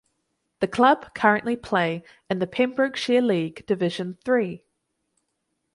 The club currently play in the Pembrokeshire League Division Three.